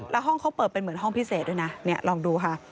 แล้วห้องเขาเปิดเป็นเหมือนห้องพิเศษด้วยนะเนี่ยลองดูค่ะ